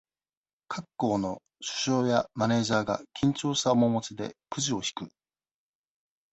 各校の、主将や、マネージャーが、緊張した面持ちで、クジを引く。